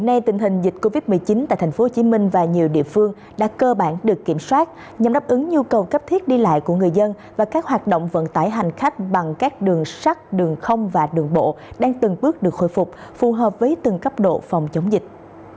hôm nay tình hình dịch covid một mươi chín tại tp hcm và nhiều địa phương đã cơ bản được kiểm soát nhằm đáp ứng nhu cầu cấp thiết đi lại của người dân và các hoạt động vận tải hành khách bằng các đường sắt đường không và đường bộ đang từng bước được khôi phục phù hợp với từng cấp độ phòng chống dịch